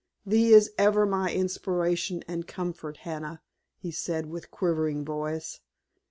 "Thee is ever my inspiration and comfort, Hannah," he said with quivering voice.